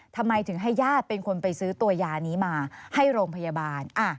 ทำไมถึงให้ญาติเป็นคนไปซื้อตัวยานี้มาให้โรงพยาบาล